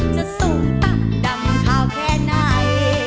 จะสูงตั้งดำคาวแค่ไหน